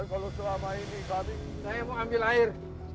kalau selama ini saya mau ambil air